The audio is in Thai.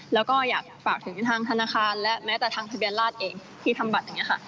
แล้วก็อยากฝากถึงทางธนาคารและแม้แต่ทางทะเบียนราชเองที่ทำบัตรอย่างนี้ค่ะ